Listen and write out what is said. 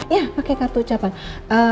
ya pakai kartu ucapannya